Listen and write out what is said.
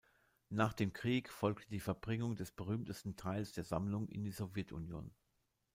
Nach dem Krieg folgte die Verbringung des berühmtesten Teils der Sammlung in die Sowjetunion.